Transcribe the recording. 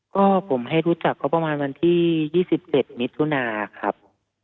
ก็ผมให้รู้จักเขาประมาณวันที่๒๗มิถุนาครับ